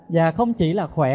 và không chỉ là khỏe